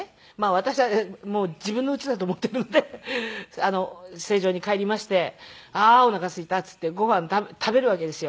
私は自分の家だと思っているので成城に帰りまして「ああおなかすいた」って言ってご飯食べるわけですよ。